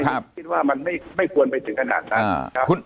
ผมคิดว่ามันไม่ควรไปถึงขนาดนั้นครับ